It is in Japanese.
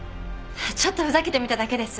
ちょっとふざけてみただけです。